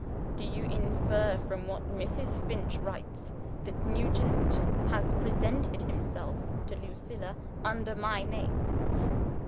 Do you infer from what Mrs. Finch writes, that Nugent has presented himself to Lucilla under my name?